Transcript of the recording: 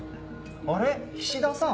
あれっ菱田さん。